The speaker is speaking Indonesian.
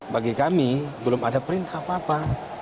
bagi kami belum ada perintah apa apa